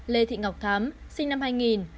lê thị ngọc thám sinh năm hai nghìn